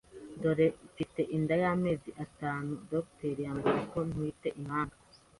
ubu mfite inda y’amezi atanu, Dr yambwiye ko ntwite Impanga